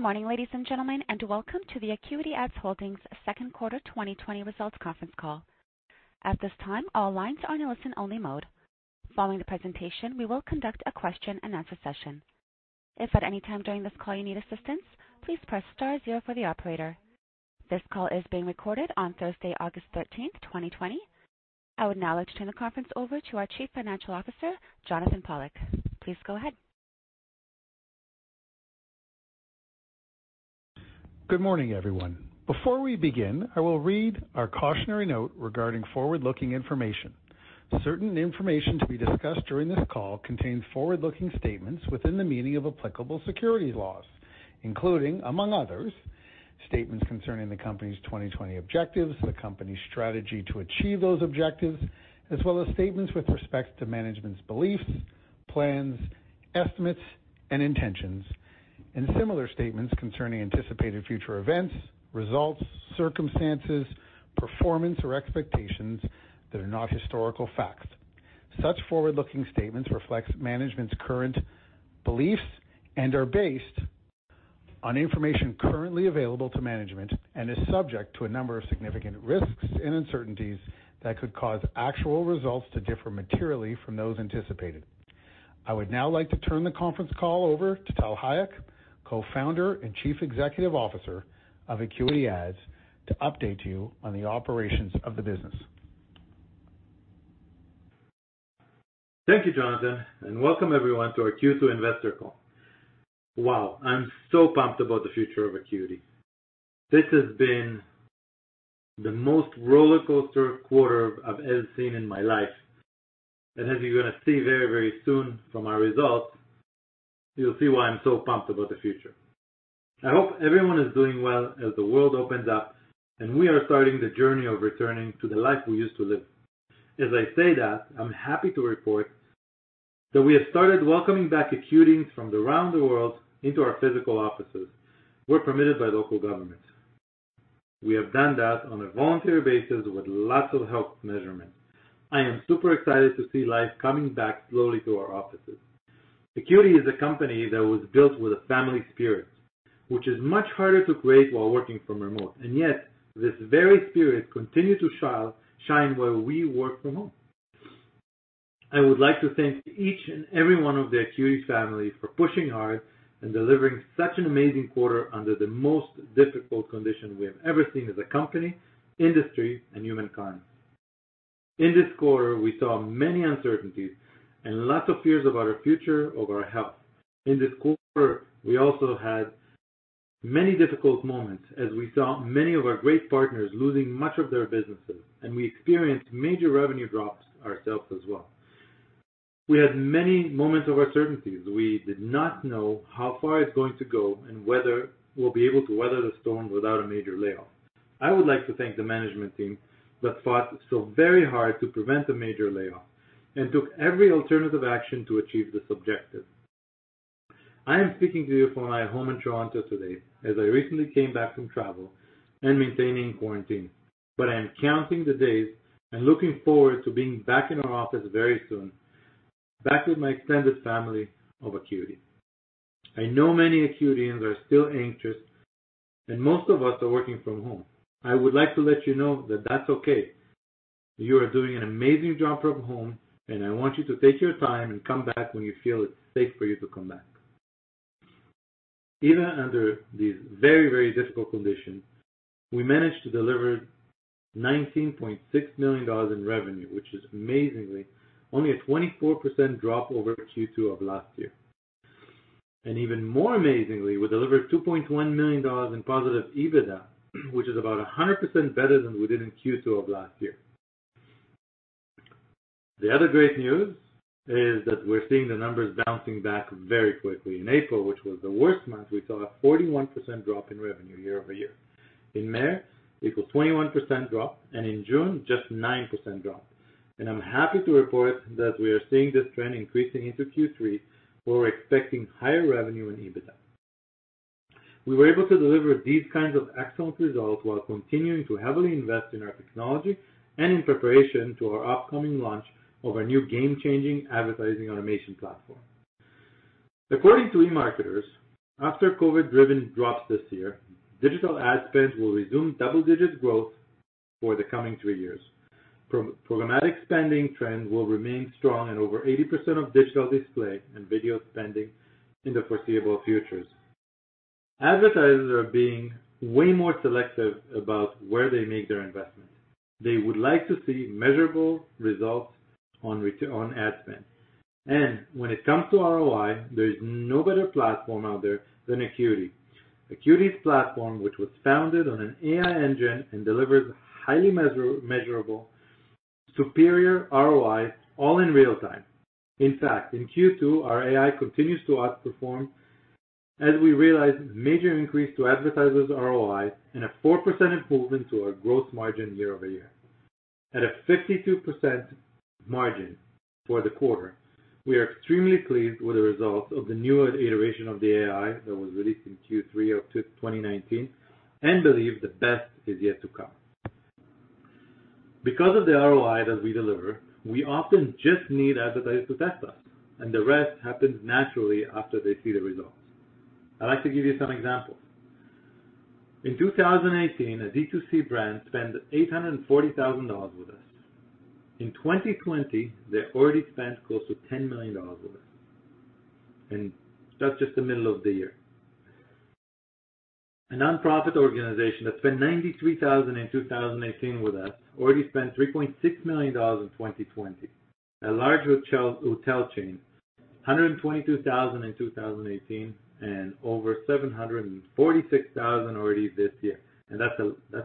Good morning, ladies and gentlemen, and welcome to the AcuityAds Holdings Second Quarter 2020 Results Conference Call. At this time, all lines are in listen-only mode. Following the presentation, we will conduct a question-and-answer session. If at any time during this call you need assistance, please press star zero for the operator. This call is being recorded on Thursday, August 13th, 2020. I would now like to turn the conference over to our Chief Financial Officer, Jonathan Pollock. Please go ahead. Good morning, everyone. Before we begin, I will read our cautionary note regarding forward-looking information. Certain information to be discussed during this call contains forward-looking statements within the meaning of applicable securities laws, including, among others, statements concerning the Company's 2020 objectives, the Company's strategy to achieve those objectives, as well as statements with respect to management's beliefs, plans, estimates, and intentions, and similar statements concerning anticipated future events, results, circumstances, performance, or expectations that are not historical facts. Such forward-looking statements reflect management's current beliefs and are based on information currently available to management and is subject to a number of significant risks and uncertainties that could cause actual results to differ materially from those anticipated. I would now like to turn the conference call over to Tal Hayek, Co-founder and Chief Executive Officer of AcuityAds, to update you on the operations of the business. Thank you, Jonathan, and welcome everyone to our Q2 investor call. Wow! I'm so pumped about the future of Acuity. This has been the most rollercoaster quarter I've ever seen in my life. And as you're going to see very, very soon from our results, you'll see why I'm so pumped about the future. I hope everyone is doing well as the world opens up, and we are starting the journey of returning to the life we used to live. As I say that, I'm happy to report that we have started welcoming back Acuitians from around the world into our physical offices. We're permitted by local governments. We have done that on a voluntary basis with lots of health measurements. I am super excited to see life coming back slowly to our offices. Acuity is a company that was built with a family spirit, which is much harder to create while working remotely, and yet this very spirit continued to shine while we work from home. I would like to thank each and every one of the Acuity family for pushing hard and delivering such an amazing quarter under the most difficult conditions we have ever seen as a company, industry, and humankind. In this quarter, we saw many uncertainties and lots of fears about our future, over our health. In this quarter, we also had many difficult moments as we saw many of our great partners losing much of their businesses, and we experienced major revenue drops ourselves as well. We had many moments of uncertainties. We did not know how far it's going to go and whether we'll be able to weather the storm without a major layoff. I would like to thank the management team that fought so very hard to prevent a major layoff and took every alternative action to achieve this objective. I am speaking to you from my home in Toronto today, as I recently came back from travel and maintaining quarantine. But I am counting the days and looking forward to being back in our office very soon, back with my extended family of Acuity. I know many Acuitians are still anxious, and most of us are working from home. I would like to let you know that that's okay. You are doing an amazing job from home, and I want you to take your time and come back when you feel it's safe for you to come back. Even under these very, very difficult conditions, we managed to deliver 19.6 million dollars in revenue, which is amazingly only a 24% drop over Q2 of last year. And even more amazingly, we delivered 2.1 million dollars in positive EBITDA, which is about 100% better than we did in Q2 of last year. The other great news is that we're seeing the numbers bouncing back very quickly. In April, which was the worst month, we saw a 41% drop in revenue year-over-year. In May, it was 21% drop, and in June, just 9% drop. And I'm happy to report that we are seeing this trend increasing into Q3, where we're expecting higher revenue and EBITDA. We were able to deliver these kinds of excellent results while continuing to heavily invest in our technology and in preparation to our upcoming launch of our new game-changing advertising automation platform. According to eMarketer, after COVID-driven drops this year, digital ad spend will resume double-digit growth for the coming three years. Programmatic spending trend will remain strong and over 80% of digital display and video spending in the foreseeable future. Advertisers are being way more selective about where they make their investments. They would like to see measurable results on on ad spend. And when it comes to ROI, there is no better platform out there than Acuity. Acuity's platform, which was founded on an AI engine and delivers highly measurable, superior ROI, all in real time. In fact, in Q2, our AI continues to outperform as we realize major increase to advertisers' ROI and a 4% improvement to our gross margin year-over-year. At a 52% margin for the quarter, we are extremely pleased with the results of the new iteration of the AI that was released in Q3 of 2019 and believe the best is yet to come. Because of the ROI that we deliver, we often just need advertisers to test us, and the rest happens naturally after they see the results. I'd like to give you some examples. In 2018, a D2C brand spent 840,000 dollars with us. In 2020, they already spent close to 10 million dollars with us, and that's just the middle of the year. A nonprofit organization that spent 93,000 in 2018 with us, already spent 3.6 million dollars in 2020. A large hotel chain, 122,000 in 2018, and over 746,000 already this year. That's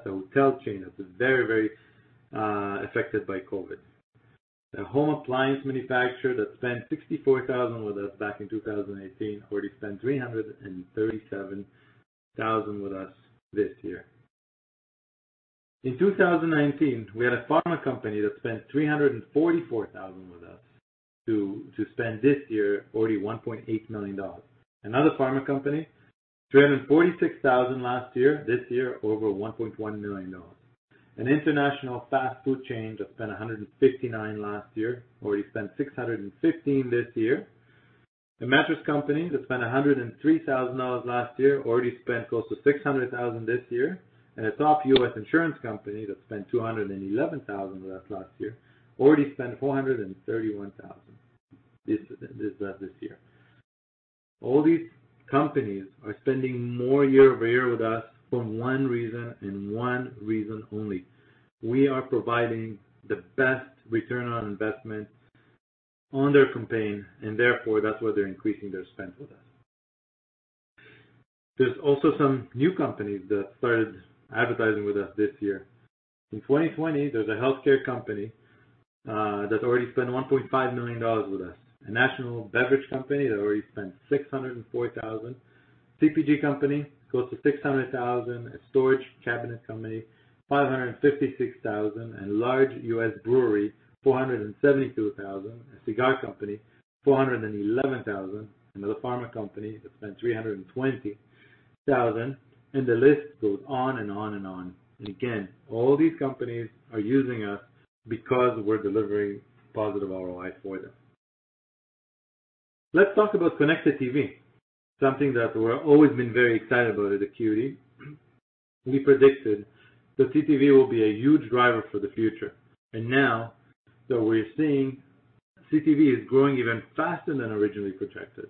a hotel chain that is very, very affected by COVID. A home appliance manufacturer that spent 64,000 with us back in 2018, already spent 337,000 with us this year. In 2019, we had a pharma company that spent 344,000 with us, to spend this year already 1.8 million dollars. Another pharma company, 246,000 last year, this year, over 1.1 million dollars. An international fast food chain that spent $159 last year, already spent $615 this year. A mattress company that spent $103,000 last year, already spent close to $600,000 this year. And a top U.S. insurance company that spent $211,000 with us last year, already spent $431,000 this year. All these companies are spending more year-over-year with us for one reason and one reason only: we are providing the best return on investment on their campaign, and therefore, that's why they're increasing their spend with us. There's also some new companies that started advertising with us this year. In 2020, there's a healthcare company that already spent $1.5 million with us. A national beverage company that already spent 604,000. CPG company, close to 600,000. A storage cabinet company, 556,000, and a large U.S. brewery, 472,000. A cigar company, 411,000. Another pharma company that spent 320,000, and the list goes on and on and on. And again, all these companies are using us because we're delivering positive ROI for them. Let's talk about connected TV, something that we're always been very excited about at Acuity. We predicted that CTV will be a huge driver for the future, and now that we're seeing CTV is growing even faster than originally projected.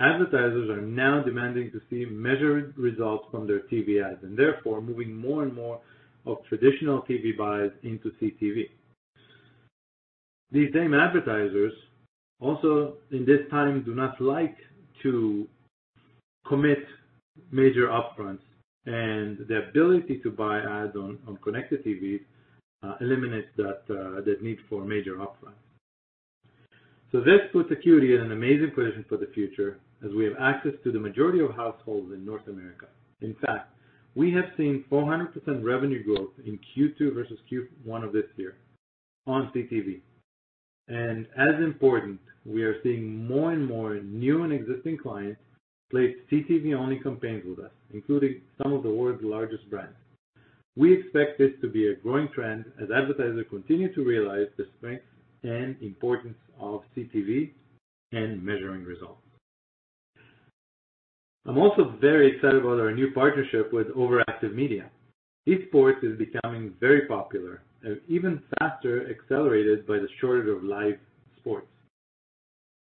Advertisers are now demanding to see measured results from their TV ads, and therefore, moving more and more of traditional TV buys into CTV. These same advertisers, also in this time, do not like to commit major upfronts, and the ability to buy ads on connected TV eliminates that the need for major upfront. So this puts Acuity in an amazing position for the future as we have access to the majority of households in North America. In fact, we have seen 400% revenue growth in Q2 versus Q1 of this year on CTV. And as important, we are seeing more and more new and existing clients place CTV-only campaigns with us, including some of the world's largest brands. We expect this to be a growing trend as advertisers continue to realize the strength and importance of CTV and measuring results. I'm also very excited about our new partnership with OverActive Media. Esports is becoming very popular and even faster accelerated by the shortage of live sports.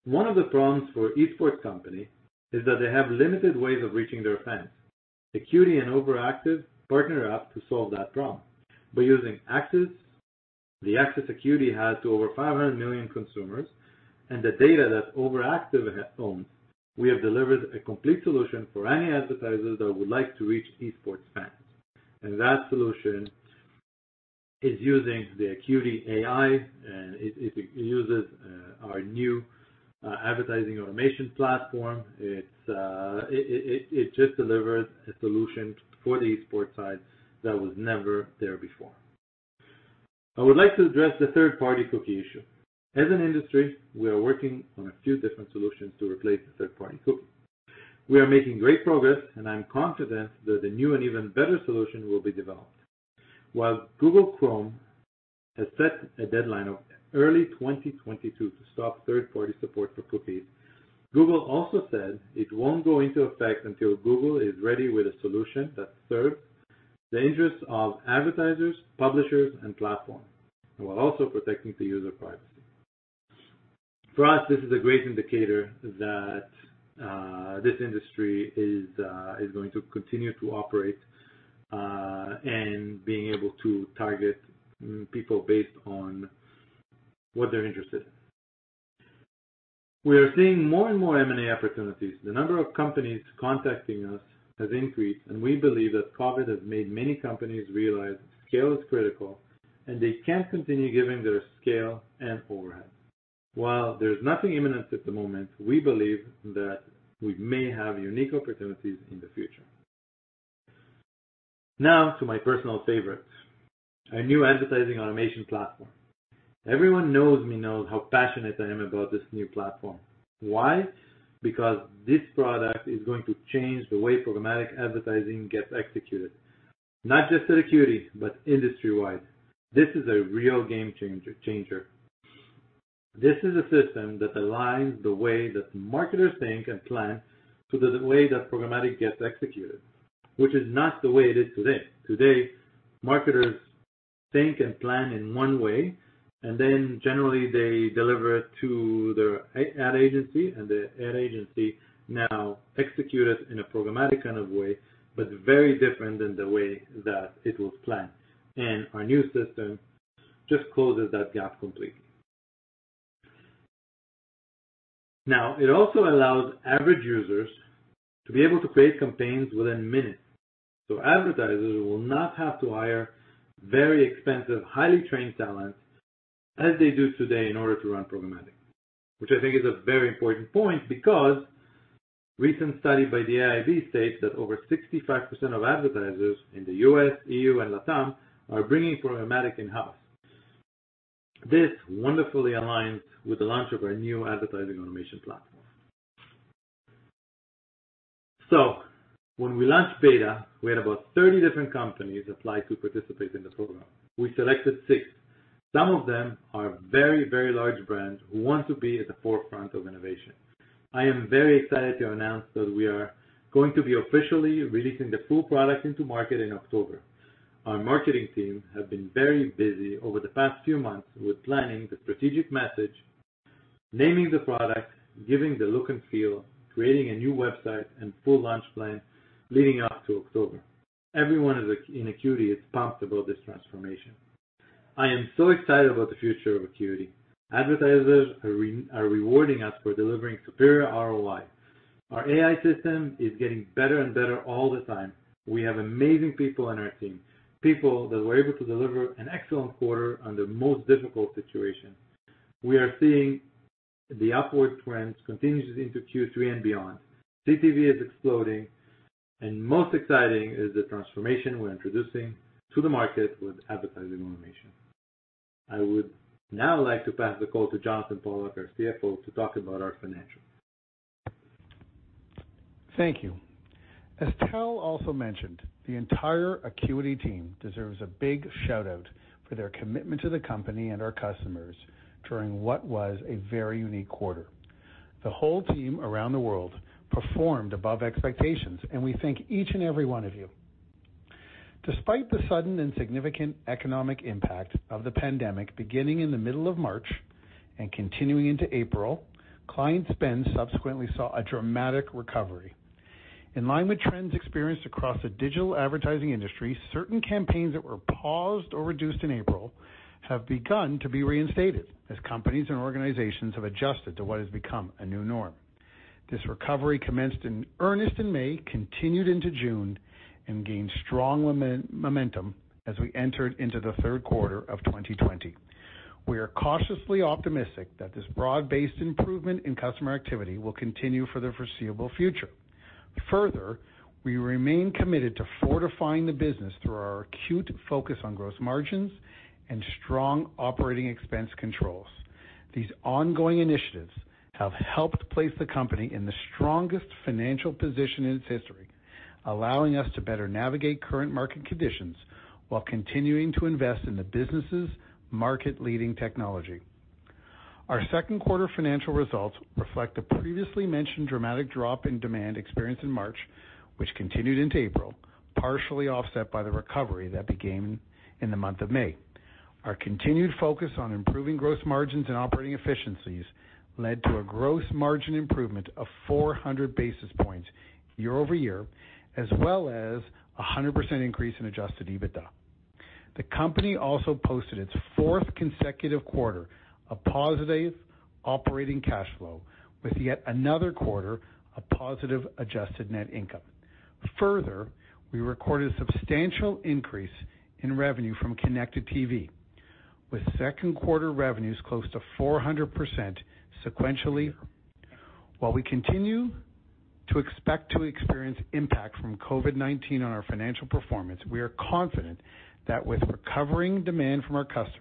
One of the problems for esports company is that they have limited ways of reaching their fans. Acuity and OverActive partnered up to solve that problem. By using the access Acuity has to over 500 million consumers and the data that OverActive owns, we have delivered a complete solution for any advertisers that would like to reach esports fans, and that solution is using the Acuity AI, and it uses our new advertising automation platform. It just delivers a solution for the esports side that was never there before. I would like to address the third-party cookie issue. As an industry, we are working on a few different solutions to replace the third-party cookie. We are making great progress, and I'm confident that a new and even better solution will be developed. While Google Chrome has set a deadline of early 2022 to stop third-party support for cookies, Google also said it won't go into effect until Google is ready with a solution that serves the interests of advertisers, publishers, and platforms, while also protecting the user privacy. For us, this is a great indicator that this industry is going to continue to operate and being able to target people based on what they're interested in. We are seeing more and more M&A opportunities. The number of companies contacting us has increased, and we believe that COVID has made many companies realize scale is critical, and they can't continue giving their scale and overhead. While there's nothing imminent at the moment, we believe that we may have unique opportunities in the future. Now to my personal favorites, our new advertising automation platform. Everyone who knows me knows how passionate I am about this new platform. Why? Because this product is going to change the way programmatic advertising gets executed, not just at Acuity, but industry-wide. This is a real game changer. This is a system that aligns the way that marketers think and plan to the way that programmatic gets executed, which is not the way it is today. Today, marketers think and plan in one way, and then generally they deliver it to their ad agency, and the ad agency now execute it in a programmatic kind of way, but very different than the way that it was planned, and our new system just closes that gap completely. Now, it also allows average users to be able to create campaigns within minutes, so advertisers will not have to hire very expensive, highly trained talent as they do today in order to run programmatic, which I think is a very important point, because recent study by the IAB states that over 65% of advertisers in the U.S., EU, and LATAM are bringing programmatic in-house. This wonderfully aligns with the launch of our new advertising automation platform. So when we launched beta, we had about 30 different companies apply to participate in the program. We selected six. Some of them are very, very large brands who want to be at the forefront of innovation. I am very excited to announce that we are going to be officially releasing the full product into market in October. Our marketing team have been very busy over the past few months with planning the strategic message, naming the product, giving the look and feel, creating a new website, and full launch plan leading up to October. Everyone in Acuity is pumped about this transformation. I am so excited about the future of Acuity. Advertisers are rewarding us for delivering superior ROI. Our AI system is getting better and better all the time. We have amazing people on our team, people that were able to deliver an excellent quarter under most difficult situations. We are seeing the upward trends continuously into Q3 and beyond. CTV is exploding, and most exciting is the transformation we're introducing to the market with advertising automation. I would now like to pass the call to Jonathan Pollock, our CFO, to talk about our financials. Thank you. As Tal also mentioned, the entire Acuity team deserves a big shout-out for their commitment to the company and our customers during what was a very unique quarter. The whole team around the world performed above expectations, and we thank each and every one of you. Despite the sudden and significant economic impact of the pandemic, beginning in the middle of March and continuing into April, client spend subsequently saw a dramatic recovery. In line with trends experienced across the digital advertising industry, certain campaigns that were paused or reduced in April have begun to be reinstated as companies and organizations have adjusted to what has become a new norm. This recovery commenced in earnest in May, continued into June, and gained strong momentum as we entered into the third quarter of 2020. We are cautiously optimistic that this broad-based improvement in customer activity will continue for the foreseeable future. Further, we remain committed to fortifying the business through our acute focus on gross margins and strong operating expense controls. These ongoing initiatives have helped place the company in the strongest financial position in its history, allowing us to better navigate current market conditions while continuing to invest in the business's market-leading technology. Our second quarter financial results reflect the previously mentioned dramatic drop in demand experienced in March, which continued into April, partially offset by the recovery that began in the month of May. Our continued focus on improving gross margins and operating efficiencies led to a gross margin improvement of 400 basis points year-over-year, as well as a 100% increase in Adjusted EBITDA. The company also posted its fourth consecutive quarter of positive operating cash flow, with yet another quarter of positive adjusted net income. Further, we recorded a substantial increase in revenue from connected TV, with second quarter revenues close to 400% sequentially. While we continue to expect to experience impact from COVID-19 on our financial performance, we are confident that with recovering demand from our customers,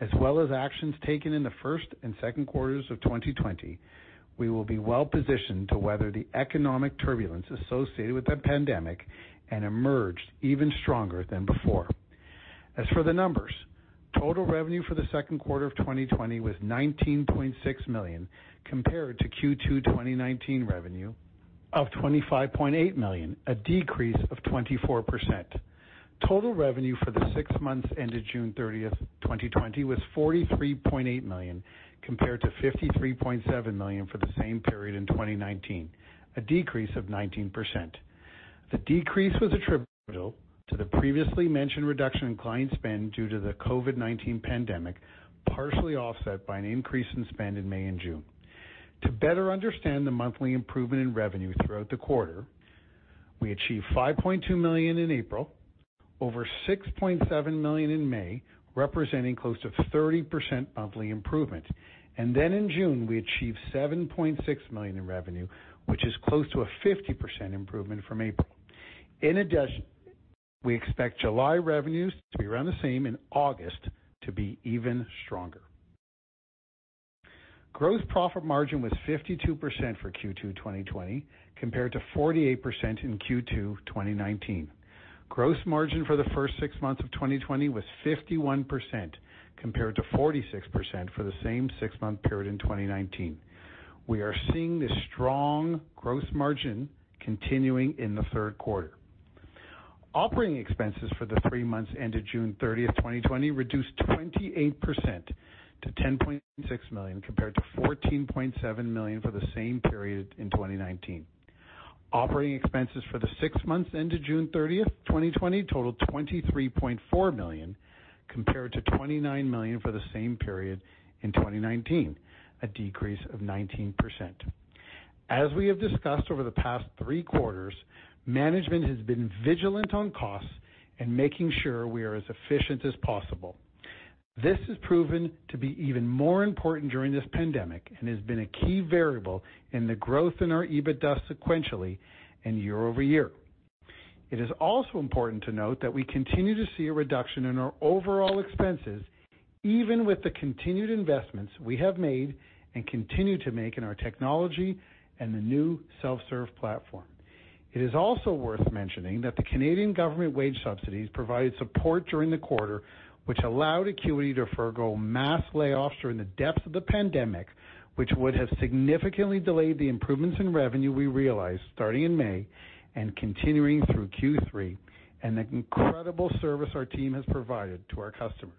as well as actions taken in the first and second quarters of 2020, we will be well-positioned to weather the economic turbulence associated with the pandemic and emerged even stronger than before. As for the numbers, total revenue for the second quarter of 2020 was 19.6 million, compared to Q2 2019 revenue of 25.8 million, a decrease of 24%. Total revenue for the six months ended June 30th, 2020, was 43.8 million, compared to 53.7 million for the same period in 2019, a decrease of 19%. The decrease was attributable to the previously mentioned reduction in client spend due to the COVID-19 pandemic, partially offset by an increase in spend in May and June. To better understand the monthly improvement in revenue throughout the quarter, we achieved 5.2 million in April, over 6.7 million in May, representing close to 30% monthly improvement. And then in June, we achieved 7.6 million in revenue, which is close to a 50% improvement from April. In addition, we expect July revenues to be around the same, in August, to be even stronger. Gross profit margin was 52% for Q2 2020, compared to 48% in Q2 2019. Gross margin for the first six months of 2020 was 51%, compared to 46% for the same six-month period in 2019. We are seeing this strong gross margin continuing in the third quarter. Operating expenses for the three months ended June 30th, 2020, reduced 28% to 10.6 million, compared to 14.7 million for the same period in 2019. Operating expenses for the six months ended June 30th, 2020, totaled 23.4 million, compared to 29 million for the same period in 2019, a decrease of 19%. As we have discussed over the past three quarters, management has been vigilant on costs and making sure we are as efficient as possible. This has proven to be even more important during this pandemic and has been a key variable in the growth in our EBITDA sequentially and year-over-year. It is also important to note that we continue to see a reduction in our overall expenses, even with the continued investments we have made and continue to make in our technology and the new self-serve platform. It is also worth mentioning that the Canadian government wage subsidies provided support during the quarter, which allowed Acuity to forgo mass layoffs during the depths of the pandemic, which would have significantly delayed the improvements in revenue we realized starting in May and continuing through Q3, and the incredible service our team has provided to our customers.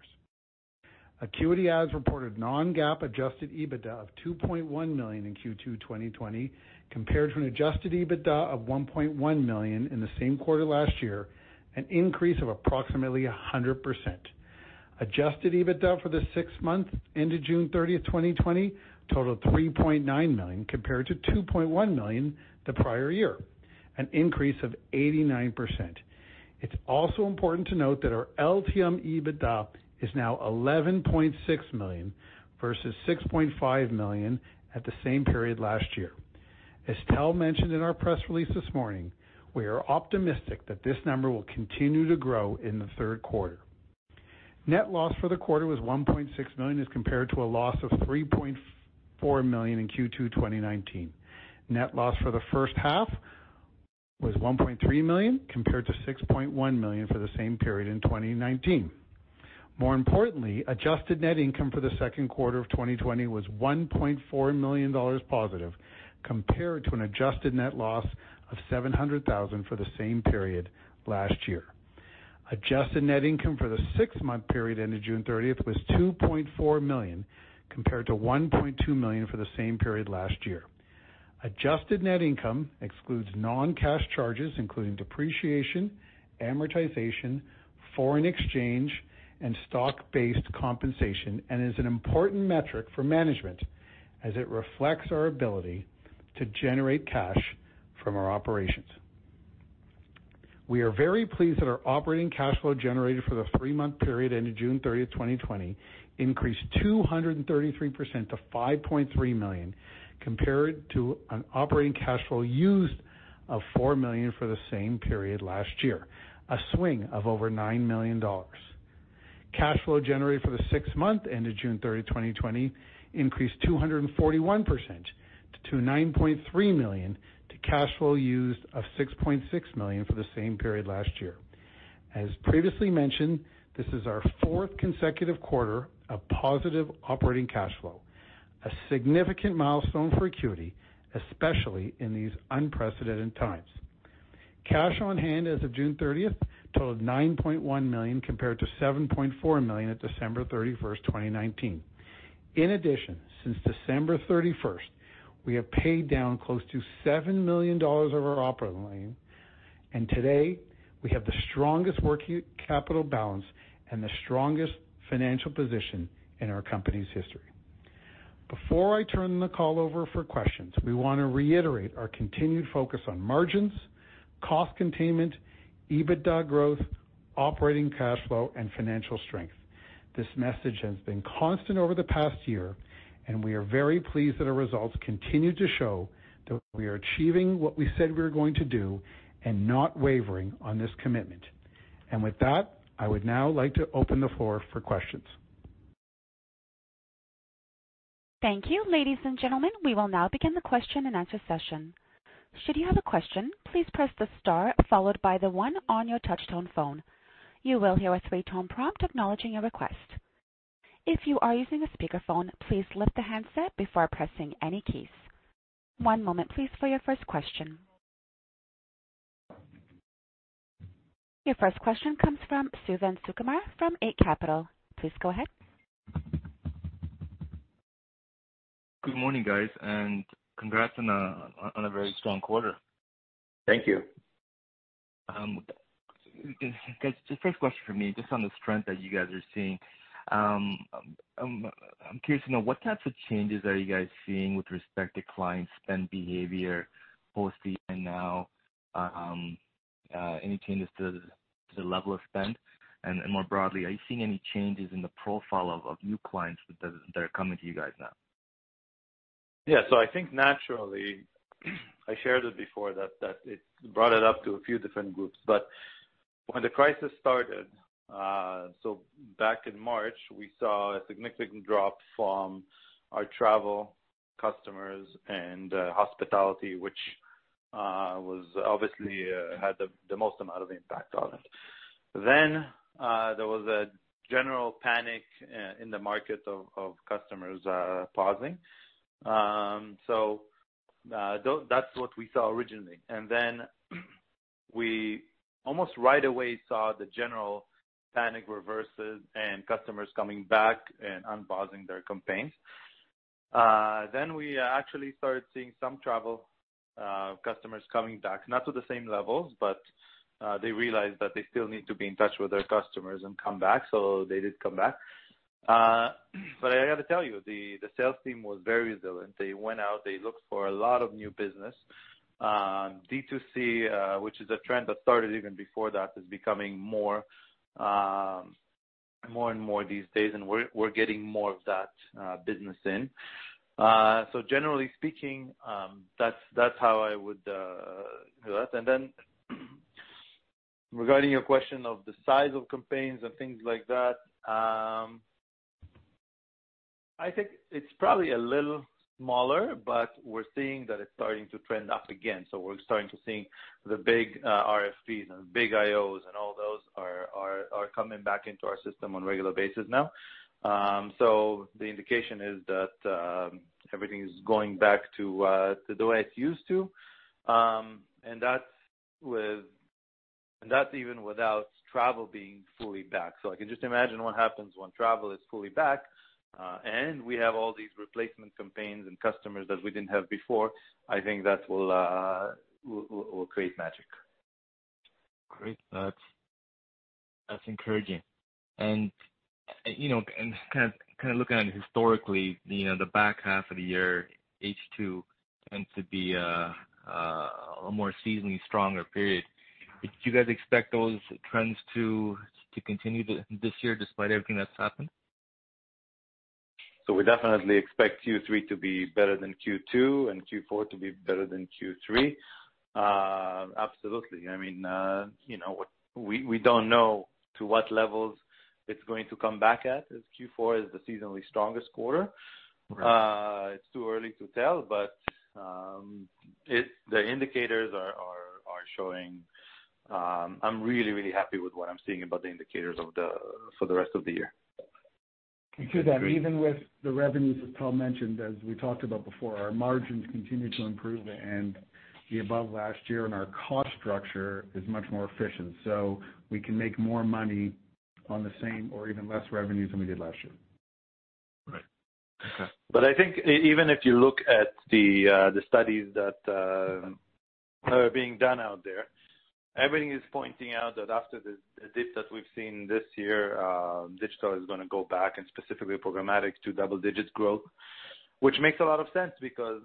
Acuity has reported Non-GAAP Adjusted EBITDA of 2.1 million in Q2 2020, compared to an Adjusted EBITDA of 1.1 million in the same quarter last year, an increase of approximately 100%. Adjusted EBITDA for the six months ended June 30th, 2020, totaled 3.9 million, compared to 2.1 million the prior year, an increase of 89%. It's also important to note that our LTM EBITDA is now 11.6 million versus 6.5 million at the same period last year. As Tal mentioned in our press release this morning, we are optimistic that this number will continue to grow in the third quarter. Net loss for the quarter was 1.6 million, as compared to a loss of 3.4 million in Q2 2019. Net loss for the first half was 1.3 million, compared to 6.1 million for the same period in 2019. More importantly, adjusted net income for the second quarter of 2020 was 1.4 million dollars positive, compared to an adjusted net loss of 700,000 for the same period last year. Adjusted net income for the six-month period ended June 30th was CAD 2.4 million, compared to CAD 1.2 million for the same period last year. Adjusted net income excludes non-cash charges, including depreciation, amortization, foreign exchange, and stock-based compensation, and is an important metric for management as it reflects our ability to generate cash from our operations. We are very pleased that our operating cash flow generated for the three-month period ended June 30th, 2020, increased 233% to 5.3 million, compared to an operating cash flow used of 4 million for the same period last year, a swing of over 9 million dollars. Cash flow generated for the six months ended June 30th, 2020, increased 241% to 9.3 million, to cash flow used of 6.6 million for the same period last year. As previously mentioned, this is our fourth consecutive quarter of positive operating cash flow, a significant milestone for Acuity, especially in these unprecedented times. Cash on hand as of June 30th totaled 9.1 million, compared to 7.4 million at December 31st, 2019. In addition, since December 31st, we have paid down close to 7 million dollars of our operating loan, and today we have the strongest working capital balance and the strongest financial position in our company's history. Before I turn the call over for questions, we want to reiterate our continued focus on margins, cost containment, EBITDA growth, operating cash flow, and financial strength. This message has been constant over the past year, and we are very pleased that our results continue to show that we are achieving what we said we were going to do and not wavering on this commitment and with that, I would now like to open the floor for questions. Thank you. Ladies and gentlemen, we will now begin the question-and-answer session. Should you have a question, please press the star followed by the one on your touchtone phone. You will hear a three-tone prompt acknowledging your request. If you are using a speakerphone, please lift the handset before pressing any keys. One moment please for your first question. Your first question comes from Suthan Sukumar from Eight Capital. Please go ahead. Good morning, guys, and congrats on a very strong quarter. Thank you. Guys, the first question from me, just on the strength that you guys are seeing. I'm curious to know, what types of changes are you guys seeing with respect to client spend behavior post the and now, any changes to the level of spend? And more broadly, are you seeing any changes in the profile of new clients that are coming to you guys now? Yeah, so I think naturally, I shared it before that, that it brought it up to a few different groups. But when the crisis started, so back in March, we saw a significant drop from our travel customers and hospitality, which was obviously had the most amount of impact on it. Then there was a general panic in the market of customers pausing. So that's what we saw originally. And then we almost right away saw the general panic reverses and customers coming back and unpausing their campaigns. Then we actually started seeing some travel customers coming back, not to the same levels, but they realized that they still need to be in touch with their customers and come back, so they did come back. But I gotta tell you, the sales team was very resilient. They went out, they looked for a lot of new business. D2C, which is a trend that started even before that, is becoming more and more these days, and we're getting more of that business in. So generally speaking, that's how I would do that. And then regarding your question of the size of campaigns and things like that, I think it's probably a little smaller, but we're seeing that it's starting to trend up again. So we're starting to see the big RFPs and big IOs and all those are coming back into our system on regular basis now. So the indication is that everything is going back to the way it used to. And that's even without travel being fully back. So I can just imagine what happens when travel is fully back, and we have all these replacement campaigns and customers that we didn't have before. I think that will create magic. Great. That's encouraging. And, you know, kind of looking at it historically, you know, the back half of the year, H2, tends to be a more seasonally stronger period. Do you guys expect those trends to continue this year despite everything that's happened? So we definitely expect Q3 to be better than Q2, and Q4 to be better than Q3. Absolutely. I mean, you know, we don't know to what levels it's going to come back at, as Q4 is the seasonally strongest quarter. It's too early to tell, but the indicators are showing. I'm really, really happy with what I'm seeing about the indicators for the rest of the year. And to that, even with the revenues, as Tal mentioned, as we talked about before, our margins continue to improve and be above last year, and our cost structure is much more efficient. So we can make more money on the same or even less revenues than we did last year. Right. Okay. I think even if you look at the studies that are being done out there, everything is pointing out that after the dip that we've seen this year, digital is gonna go back, and specifically programmatic, to double digits growth. Which makes a lot of sense because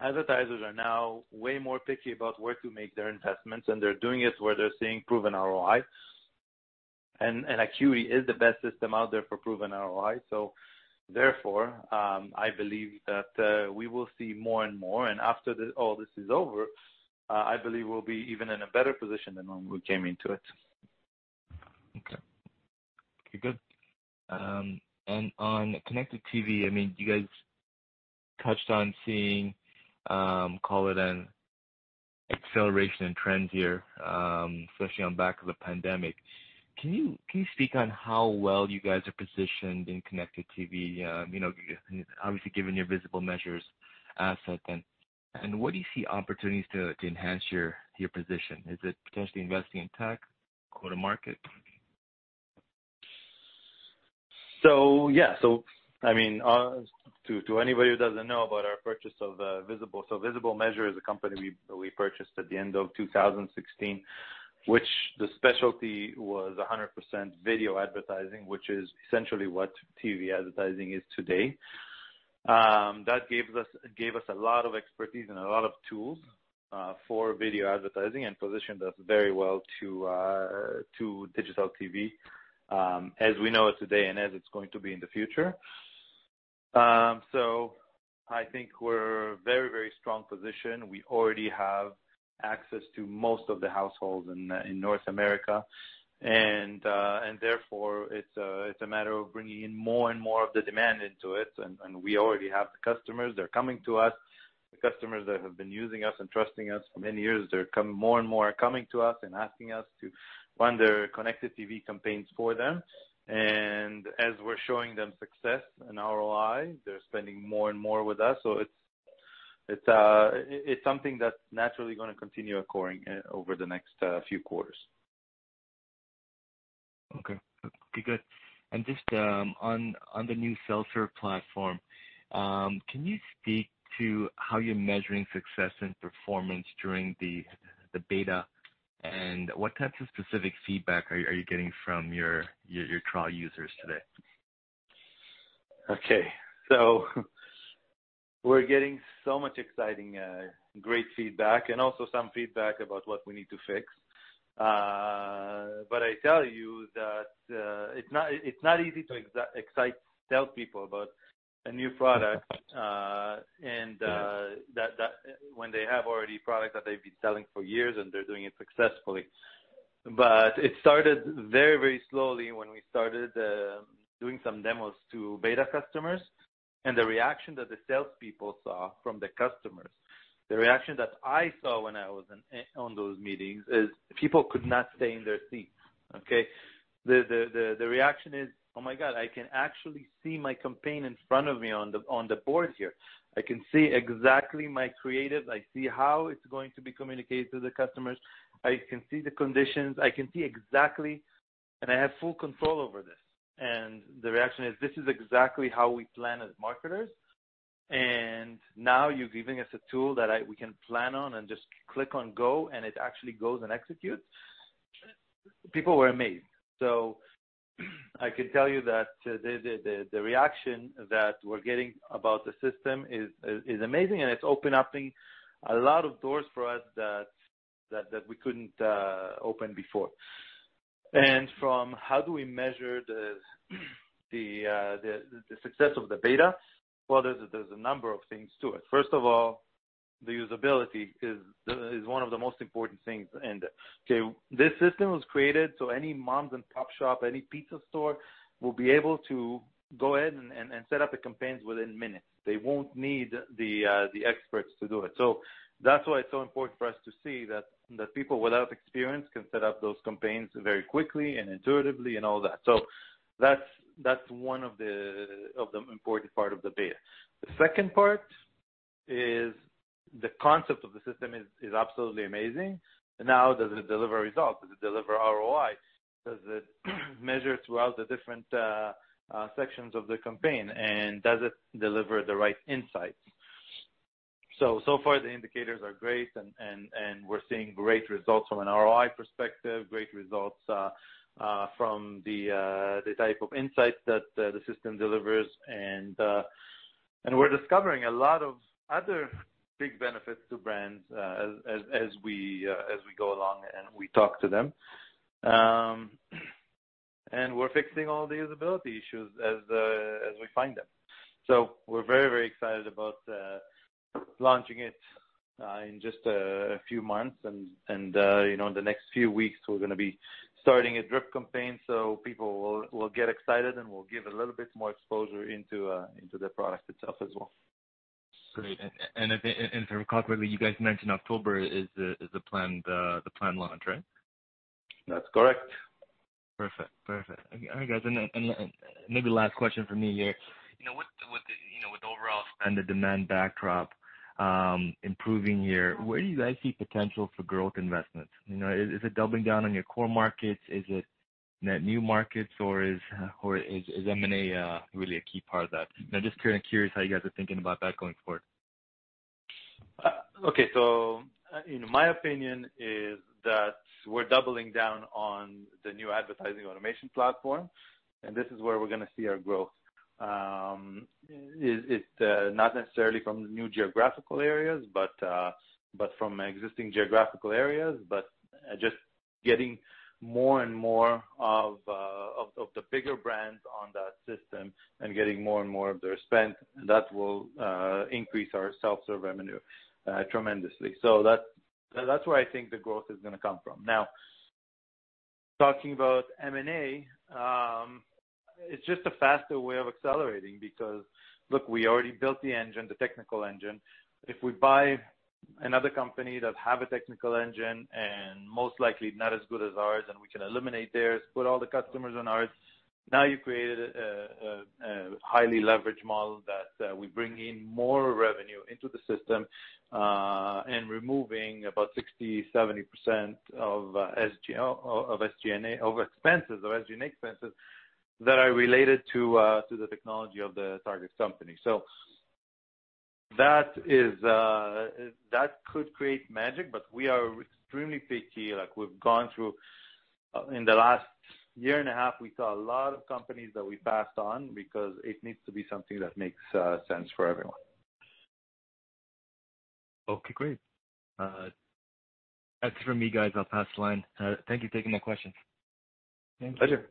advertisers are now way more picky about where to make their investments, and they're doing it where they're seeing proven ROI. Acuity is the best system out there for proven ROI, so therefore I believe that we will see more and more. After this, all this is over, I believe we'll be even in a better position than when we came into it. Okay. Okay, good. And on connected TV, I mean, you guys touched on seeing, call it an acceleration in trends here, especially on back of the pandemic. Can you speak on how well you guys are positioned in connected TV? You know, obviously, given your Visible Measures asset then, and where do you see opportunities to enhance your position? Is it potentially investing in tech, go to market? Yeah. So I mean, to anybody who doesn't know about our purchase of Visible Measures, so Visible Measures is a company we purchased at the end of 2016, which the specialty was 100% video advertising, which is essentially what TV advertising is today. That gave us a lot of expertise and a lot of tools for video advertising and positioned us very well to digital TV, as we know it today and as it's going to be in the future. So I think we're very, very strong position. We already have access to most of the households in North America, and therefore, it's a matter of bringing in more and more of the demand into it, and we already have the customers, they're coming to us. The customers that have been using us and trusting us for many years, they're coming more and more to us and asking us to run their connected TV campaigns for them. And as we're showing them success and ROI, they're spending more and more with us. So it's something that's naturally gonna continue occurring over the next few quarters. Okay. Okay, good. And just on the new self-serve platform, can you speak to how you're measuring success and performance during the beta? And what types of specific feedback are you getting from your trial users today? Okay. So we're getting so much exciting, great feedback, and also some feedback about what we need to fix. But I tell you that, it's not easy to excite, sell people about a new product, and that, that when they have already products that they've been selling for years, and they're doing it successfully. But it started very, very slowly when we started doing some demos to beta customers, and the reaction that the salespeople saw from the customers, the reaction that I saw when I was in, on those meetings, is people could not stay in their seats, okay? The reaction is, "Oh, my God, I can actually see my campaign in front of me on the, on the board here. I can see exactly my creative. I see how it's going to be communicated to the customers. I can see the conditions. I can see exactly, I have full control over this." And the reaction is, "This is exactly how we plan as marketers, and now you're giving us a tool that we can plan on and just click on go, and it actually goes and executes?" People were amazed. I can tell you that the reaction that we're getting about the system is amazing, and it's opening up a lot of doors for us that we couldn't open before. From how do we measure the success of the beta? Well, there's a number of things to it. First of all, the usability is one of the most important things in there. Okay, this system was created, so any mom and pop shop, any pizza store, will be able to go ahead and set up the campaigns within minutes. They won't need the experts to do it. So that's why it's so important for us to see that people without experience can set up those campaigns very quickly and intuitively and all that. So that's one of the important part of the beta. The second part is, the concept of the system is absolutely amazing. Now, does it deliver results? Does it deliver ROI? Does it measure throughout the different sections of the campaign? And does it deliver the right insights? So far, the indicators are great, and we're seeing great results from an ROI perspective, great results from the type of insights that the system delivers. And we're discovering a lot of other big benefits to brands, as we go along, and we talk to them. And we're fixing all the usability issues as we find them. We're very, very excited about launching it in just a few months. And, you know, in the next few weeks, we're gonna be starting a drip campaign, so people will get excited, and we'll give a little bit more exposure into the product itself as well. Great. And if I recall correctly, you guys mentioned October is the planned launch, right? That's correct. Perfect. Perfect. Okay, all right, guys, and maybe last question for me here. You know, with the you know, with overall spend to demand backdrop, improving here, where do you guys see potential for growth investments? You know, is it doubling down on your core markets? Is it net new markets, or is M&A really a key part of that? I'm just kind of curious how you guys are thinking about that going forward. Okay. So, you know, my opinion is that we're doubling down on the new advertising automation platform, and this is where we're gonna see our growth. Not necessarily from the new geographical areas, but from existing geographical areas, just getting more and more of the bigger brands on that system and getting more and more of their spend, and that will increase our self-serve revenue tremendously. So that's where I think the growth is gonna come from. Now, talking about M&A, it's just a faster way of accelerating, because, look, we already built the engine, the technical engine. If we buy another company that have a technical engine, and most likely not as good as ours, and we can eliminate theirs, put all the customers on ours, now you've created a highly leveraged model that we bring in more revenue into the system, and removing about 60%-70% of SG&A expenses that are related to the technology of the target company. So that is that could create magic, but we are extremely picky, like we've gone through in the last year and a half, we saw a lot of companies that we passed on because it needs to be something that makes sense for everyone. Okay, great. That's it for me, guys. I'll pass the line. Thank you for taking my question. Pleasure.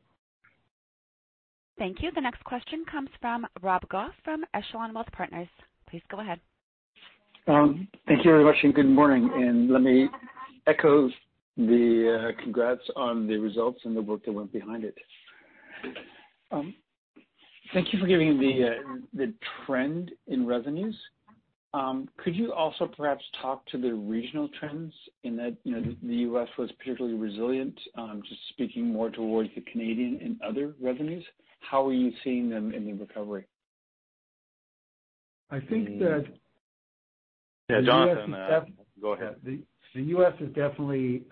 Thank you. The next question comes from Rob Goff from Echelon Wealth Partners. Please go ahead. Thank you very much, and good morning, and let me echo the congrats on the results and the work that went behind it. Thank you for giving the trend in revenues. Could you also perhaps talk to the regional trends in that, you know, the U.S. was particularly resilient, just speaking more towards the Canadian and other revenues, how are you seeing them in the recovery? I think that. Yeah, Jonathan, go ahead. The U.S. has definitely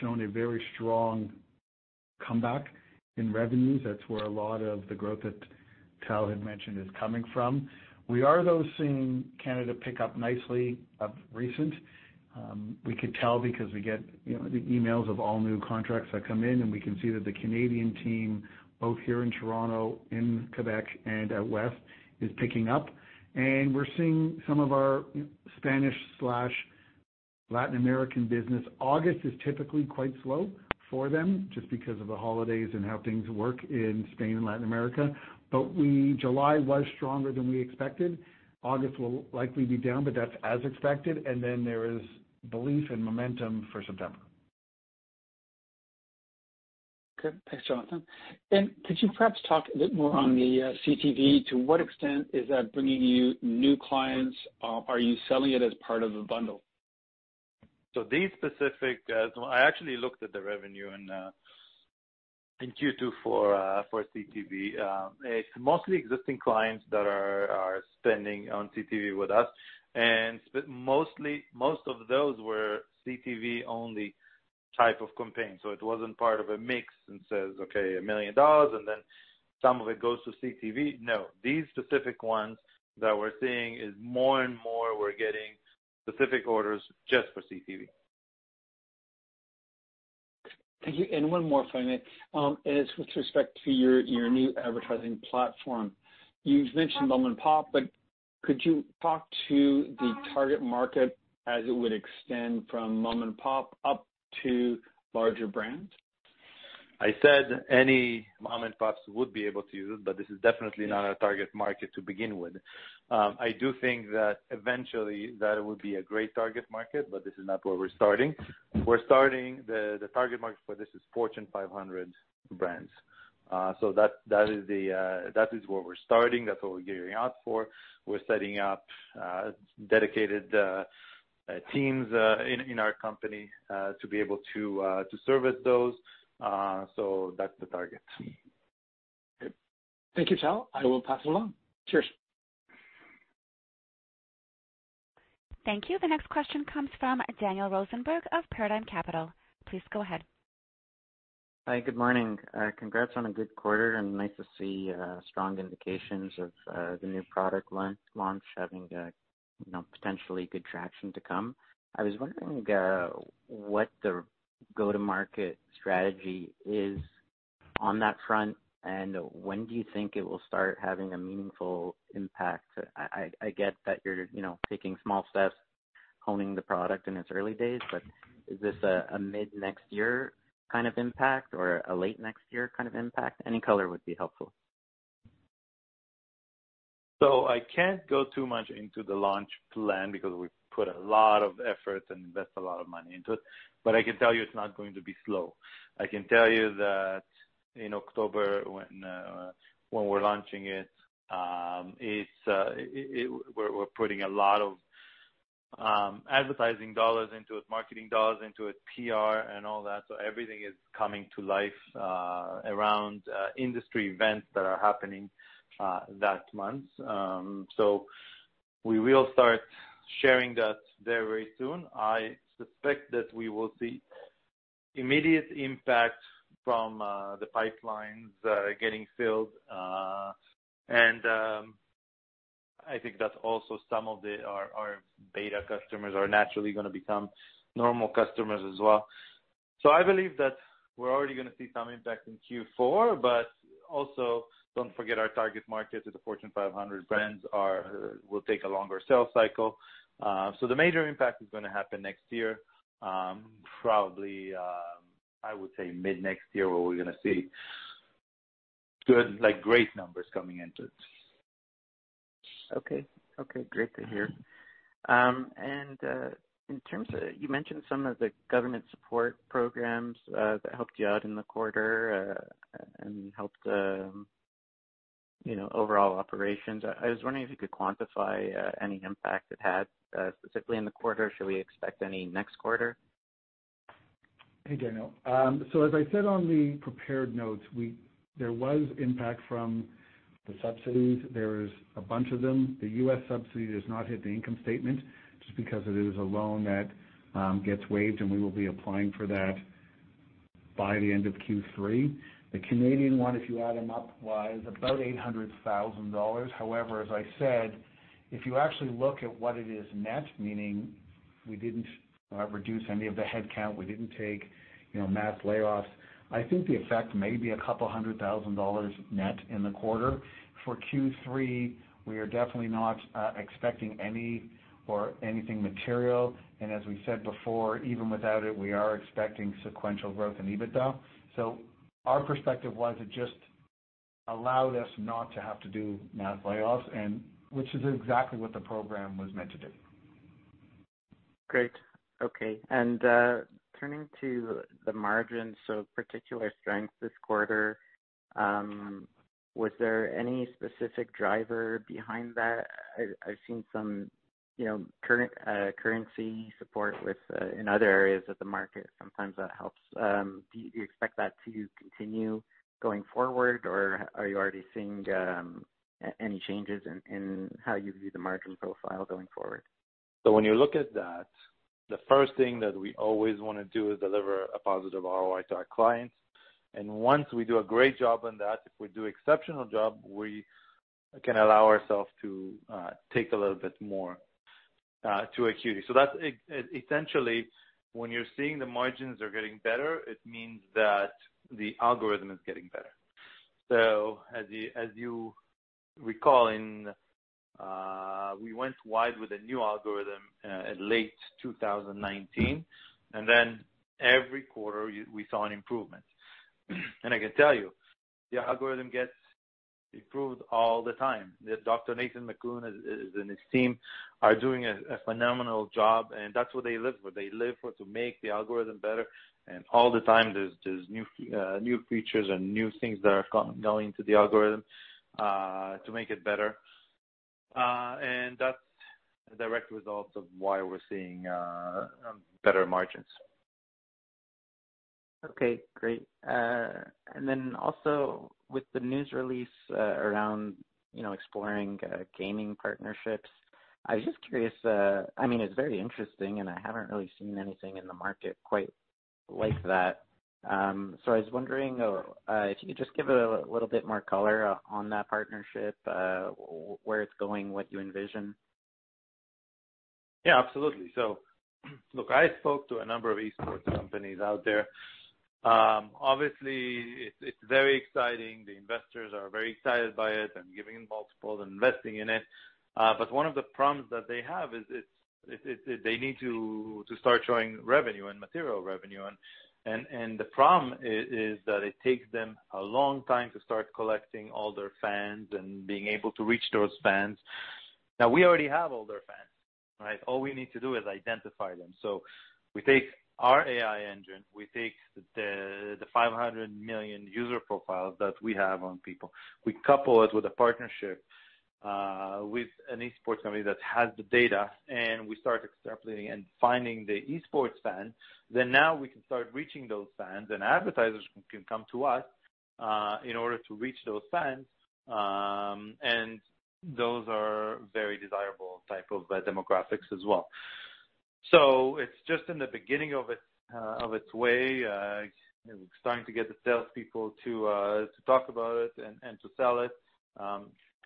shown a very strong comeback in revenues. That's where a lot of the growth that Tal had mentioned is coming from. We are, though, seeing Canada pick up nicely of recent. We could tell because we get, you know, the emails of all new contracts that come in, and we can see that the Canadian team, both here in Toronto, in Quebec, and out west, is picking up, and we're seeing some of our Spanish slash Latin American business, August is typically quite slow for them just because of the holidays and how things work in Spain and Latin America. But July was stronger than we expected. August will likely be down, but that's as expected, and then there is belief and momentum for September. Okay, thanks, Jonathan. Then could you perhaps talk a bit more on the CTV? To what extent is that bringing you new clients? Are you selling it as part of a bundle? These specific, so I actually looked at the revenue in Q2 for CTV. It's mostly existing clients that are spending on CTV with us. And mostly, most of those were CTV-only type of campaign, so it wasn't part of a mix and says, "Okay, 1,000,000 dollars," and then some of it goes to CTV. No, these specific ones that we're seeing is more and more we're getting specific orders just for CTV. Thank you. And one more if I may, and it's with respect to your, your new advertising platform. You've mentioned mom-and-pop, but could you talk to the target market as it would extend from mom-and-pop up to larger brands? I said any mom-and-pops would be able to use it, but this is definitely not our target market to begin with. I do think that eventually it would be a great target market, but this is not where we're starting. We're starting. The target market for this is Fortune 500 brands. So that is where we're starting. That's what we're gearing up for. We're setting up dedicated teams in our company to be able to service those. So that's the target. Thank you, Tal. I will pass it along. Cheers. Thank you. The next question comes from Daniel Rosenberg of Paradigm Capital. Please go ahead. Hi, good morning. Congrats on a good quarter, and nice to see strong indications of the new product launch having a, you know, potentially good traction to come. I was wondering what the go-to-market strategy is on that front, and when do you think it will start having a meaningful impact? I get that you're, you know, taking small steps, honing the product in its early days, but is this a mid-next year kind of impact or a late next year kind of impact? Any color would be helpful. I can't go too much into the launch plan because we've put a lot of effort and invested a lot of money into it, but I can tell you it's not going to be slow. I can tell you that in October, when we're launching it, we're putting a lot of advertising dollars into it, marketing dollars into it, PR and all that. Everything is coming to life around industry events that are happening that month. We will start sharing that there very soon. I suspect that we will see immediate impact from the pipelines getting filled. And I think that also some of our beta customers are naturally gonna become normal customers as well. So I believe that we're already gonna see some impact in Q4, but also don't forget our target market is the Fortune 500 brands will take a longer sales cycle. So the major impact is gonna happen next year, probably, I would say mid-next year, where we're gonna see good, like, great numbers coming into it. Okay. Okay, great to hear. In terms of... You mentioned some of the government support programs that helped you out in the quarter and helped you know overall operations. I was wondering if you could quantify any impact it had specifically in the quarter. Should we expect any next quarter? Hey, Daniel, so as I said on the prepared notes, there was impact from the subsidies. There's a bunch of them. The U.S. subsidy has not hit the income statement just because it is a loan that gets waived, and we will be applying for that by the end of Q3. The Canadian one, if you add them up, was about 800,000 dollars. However, as I said, if you actually look at what it is net, meaning we didn't reduce any of the headcount, we didn't take, you know, mass layoffs, I think the effect may be a couple hundred thousand dollars net in the quarter. For Q3, we are definitely not expecting any or anything material, and as we said before, even without it, we are expecting sequential growth in EBITDA. So, our perspective was it just allowed us not to have to do mass layoffs and which is exactly what the program was meant to do. Great, okay. And, turning to the margins, so particular strength this quarter, was there any specific driver behind that? I've seen some, you know, current, currency support with, in other areas of the market, sometimes that helps. Do you expect that to continue going forward, or are you already seeing, any changes in, how you view the margin profile going forward? So when you look at that, the first thing that we always wanna do is deliver a positive ROI to our clients. And once we do a great job on that, if we do exceptional job, we can allow ourselves to take a little bit more to Acuity. So that's essentially when you're seeing the margins are getting better. It means that the algorithm is getting better. So as you recall, we went wide with a new algorithm at late two thousand and nineteen, and then every quarter we saw an improvement. And I can tell you, the algorithm gets improved all the time. Dr. Nathan Mekuz and his team are doing a phenomenal job, and that's what they live for. They live for to make the algorithm better, and all the time there's new features and new things that are going to the algorithm to make it better, and that's a direct result of why we're seeing better margins. Okay, great. And then also with the news release, around, you know, exploring gaming partnerships, I was just curious. I mean, it's very interesting, and I haven't really seen anything in the market quite like that. So I was wondering if you could just give a little bit more color on that partnership, where it's going, what you envision? Yeah, absolutely. So look, I spoke to a number of esports companies out there. Obviously, it's very exciting. The investors are very excited by it and giving it multiples and investing in it. But one of the problems that they have is they need to start showing revenue and material revenue. And the problem is that it takes them a long time to start collecting all their fans and being able to reach those fans. Now, we already have all their fans, right? All we need to do is identify them. So we take our AI engine, we take the five hundred million user profiles that we have on people. We couple it with a partnership with an esports company that has the data, and we start extrapolating and finding the esports fans. Then, now we can start reaching those fans, and advertisers can come to us in order to reach those fans. Those are very desirable type of demographics as well. It's just in the beginning of it, on its way. We're starting to get the salespeople to talk about it and to sell it.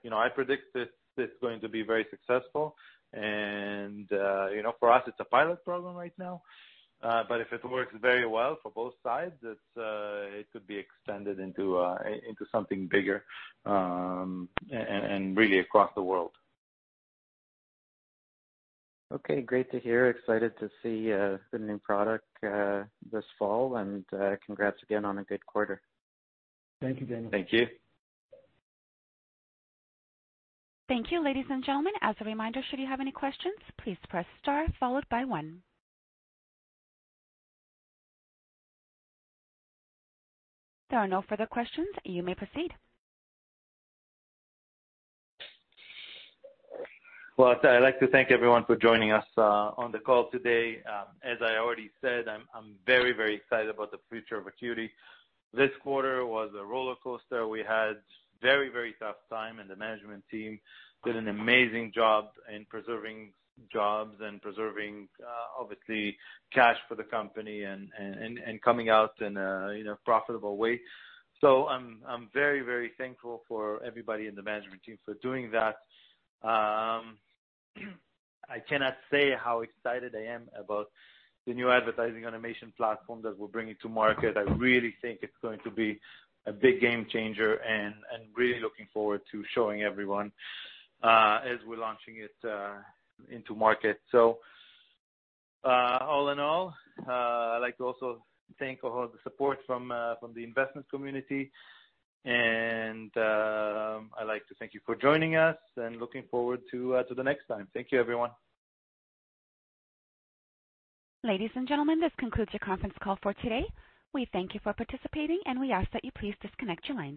You know, I predict it, it's going to be very successful, and you know, for us, it's a pilot program right now, but if it works very well for both sides, it could be extended into something bigger and really across the world. Okay, great to hear. Excited to see the new product this fall, and congrats again on a good quarter. Thank you, Daniel. Thank you. Thank you, ladies and gentlemen. As a reminder, should you have any questions, please press star followed by one. There are no further questions. You may proceed. I'd like to thank everyone for joining us on the call today. As I already said, I'm very, very excited about the future of Acuity. This quarter was a rollercoaster. We had very, very tough time, and the management team did an amazing job in preserving jobs and preserving obviously cash for the company and coming out in a, you know, profitable way. I'm very, very thankful for everybody in the management team for doing that. I cannot say how excited I am about the new advertising automation platform that we're bringing to market. I really think it's going to be a big game changer, and really looking forward to showing everyone as we're launching it into market. So, all in all, I'd like to also thank all the support from the investment community. And, I'd like to thank you for joining us, and looking forward to the next time. Thank you, everyone. Ladies and gentlemen, this concludes your conference call for today. We thank you for participating, and we ask that you please disconnect your lines.